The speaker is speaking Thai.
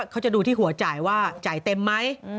เขาจะดูที่หัวจ่ายว่าจ่ายเต็มไหม